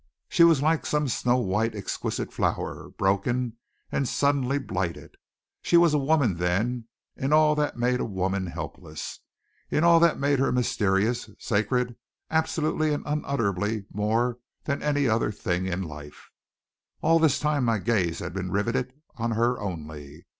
She was like some snow white exquisite flower, broken, and suddenly blighted. She was a woman then in all that made a woman helpless in all that made her mysterious, sacred, absolutely and unutterably more than any other thing in life. All this time my gaze had been riveted on her only.